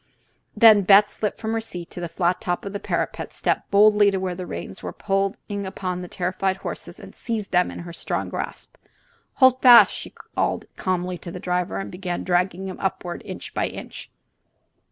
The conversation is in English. Then Beth slipped from her seat to the flat top of the parapet, stepped boldly to where the reins were pulling upon the terrified horses, and seized them in her strong grasp. "Hold fast," she called calmly to the driver, and began dragging him upward, inch by inch.